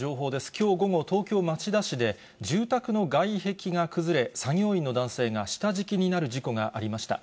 きょう午後、東京・町田市で住宅の外壁が崩れ、作業員の男性が下敷きになる事故がありました。